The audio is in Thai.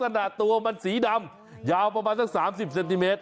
ตัวมันสีดำยาวประมาณสัก๓๐เซนติเมตร